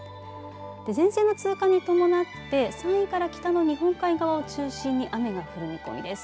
前線の通過に伴って山陰から北の日本海側を中心に雨が降る見込みです。